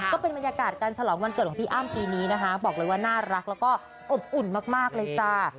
ก็เป็นบรรยากาศการฉลองวันเกิดของพี่อ้ำปีนี้นะคะบอกเลยว่าน่ารักแล้วก็อบอุ่นมากเลยจ้า